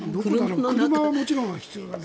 車はもちろん必要だね。